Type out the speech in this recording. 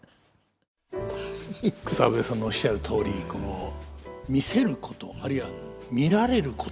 草笛さんのおっしゃるとおり「見せること」あるいは「見られること」。